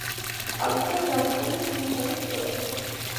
წყალუხვია ზაფხულის მუსონის დროს.